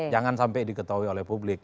jangan sampai diketahui oleh publik